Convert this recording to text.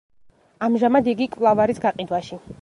ამჟამად იგი კვლავ არის გაყიდვაში.